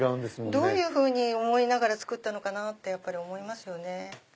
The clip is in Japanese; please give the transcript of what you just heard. どういうふうに思いながら作ったのかなって思いますよね。